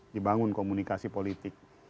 dibangun komunikasi politik